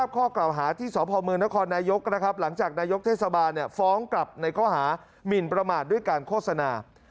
ใครเขาหามิ่นประมาทด้วยการโฆษณา